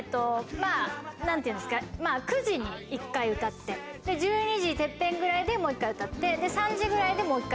まぁ何ていうんですか９時に一回歌って１２時てっぺんぐらいでもう一回歌って３時ぐらいでもう一回。